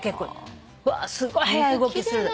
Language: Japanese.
すごい速い動きする。